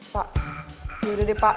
pak yaudah deh pak